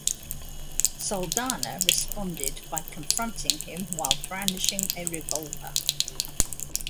Saldanha responded by confronting him while brandishing a revolver.